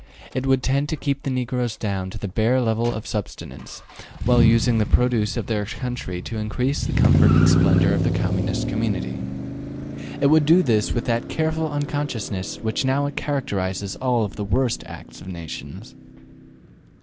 It would tend to keep the negroes down to the bare level of subsistence, while using the produce of their country to increase the comfort and splendor of the Communist community. It would do this with that careful unconsciousness which now characterizes all the worst acts of nations.